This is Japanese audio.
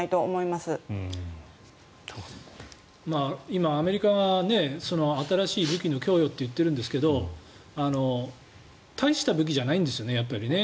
今、アメリカが新しい武器の供与と言ってるんですけど大した武器じゃないんですよねやっぱりね。